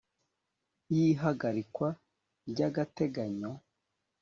y ihagarikwa ry agateganyo